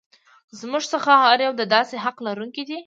زموږ څخه هر یو د داسې حق لرونکی دی.